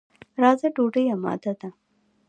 راځه، ډوډۍ اماده ده.